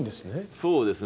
そうですね。